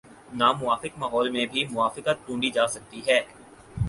ناموافق ماحول میں بھی موافقت ڈھونڈی جا سکتی ہے۔